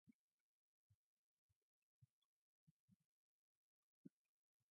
The Moras moved to San Jose, California, where Mora continued his work.